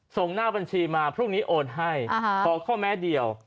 ส่งหน้าบัญชีมาพรุ่งนี้โอนให้ขอข้อแม้เดียว